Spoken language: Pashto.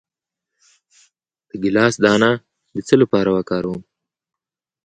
د ګیلاس دانه د څه لپاره وکاروم؟